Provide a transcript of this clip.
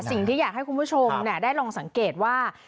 สิ่งที่อยากให้คุณผู้ชมได้ลองสังเกตว่า